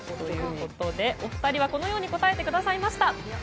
お二人はこのように答えてくださいました。